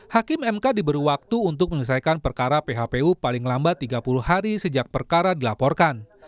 hakim mk diberi waktu untuk menyelesaikan perkara phpu paling lambat tiga puluh hari sejak perkara dilaporkan